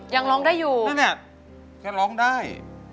ยังร้องได้อยู่แม่แม่แค่ร้องได้